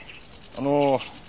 あの。